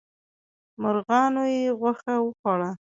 مرغانو یې غوښه وخوړه.